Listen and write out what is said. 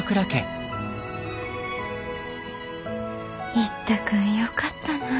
一太君よかったなぁ。